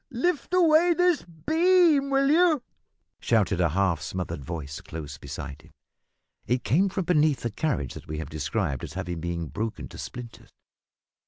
lift away this beam, will you?" shouted a half smothered voice close beside him. It came from beneath the carriage that we have described as having been broken to splinters.